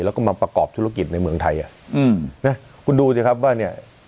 แล้วก็มาประกอบธุรกิจในเมืองไทยอ่ะอืมนะคุณดูสิครับว่าเนี่ย